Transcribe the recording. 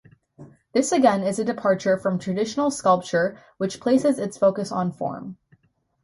This again is a departure from traditional sculpture which places its focus on form.